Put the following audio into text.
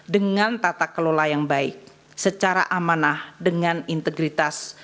dengan tata kelola yang baik secara amanah dengan integritas